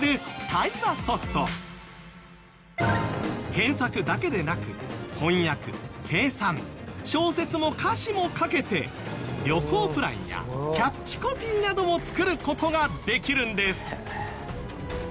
検索だけでなく翻訳計算小説も歌詞も書けて旅行プランやキャッチコピーなども作る事ができるんです！